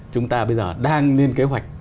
chúng ta bây giờ đang lên kế hoạch